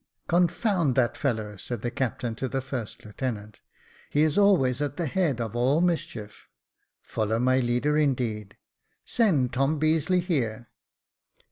" Confound that fellow," said the captain to the first lieutenant ; "he is always at the head of all mischief. Follow my leader, indeed ! Send Tom Beazeley here."